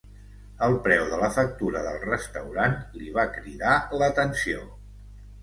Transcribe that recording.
El preu de la factura del restaurant li va cridar l'atenció.